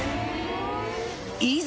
いざ！